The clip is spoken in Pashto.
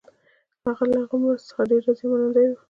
هغه له هغو مرستو څخه ډېر راضي او منندوی وو.